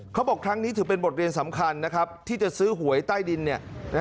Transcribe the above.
เขาบอกครั้งนี้ถือเป็นบทเรียนสำคัญที่จะซื้อหวยใต้ดิน